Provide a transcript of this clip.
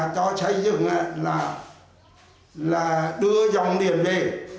cho chây dựng đưa dòng điện về